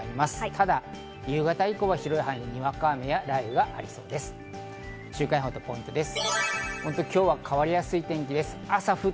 ただ夕方以降は広い範囲でにわか雨や雷雨が今日の占いスッキリす。